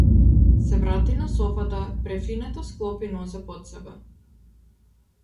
Се врати на софата, префинето склопи нозе под себе.